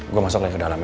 gue masuk lagi ke dalam